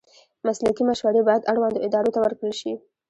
مسلکي مشورې باید اړوندو ادارو ته ورکړل شي.